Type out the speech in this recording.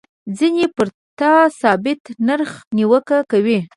ځینې پر ثابت نرخ نیوکه کوي.